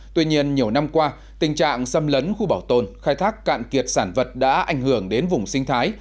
tuy nhiên nhiều năm qua tình trạng xâm lấn khu bảo tồn khai thác cạn kiệt sản vật đã ảnh hưởng đến vùng sinh thái